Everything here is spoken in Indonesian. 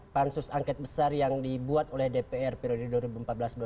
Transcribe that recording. pansus angket besar yang dibuat oleh dpr periode dua ribu empat belas dua ribu sembilan belas